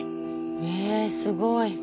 えすごい！